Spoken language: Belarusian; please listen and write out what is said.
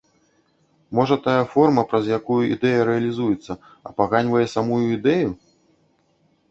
Можа тая форма, праз якую ідэя рэалізуецца, апаганьвае самую ідэю?